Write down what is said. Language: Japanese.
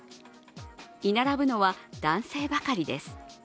居並ぶのは男性ばかりです。